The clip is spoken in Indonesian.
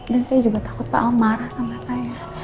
dan saya juga takut pak al marah sama saya